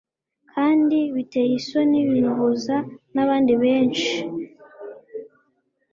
kandi biteye isoni bimuhuza nabandi benshi